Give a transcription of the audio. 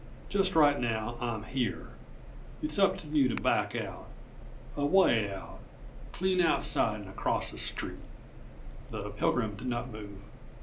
Just right now, I'm here. It's up to you to back out away out clean outside and across the street." The Pilgrim did not move.